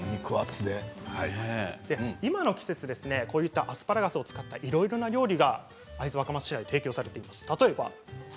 今の季節こういったアスパラガスを使ったいろいろな料理が会津若松市では提供されています。